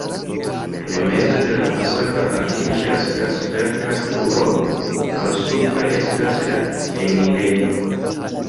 En mezo de la fasado altiĝas la svelta turo, malsupre estas la enirejo.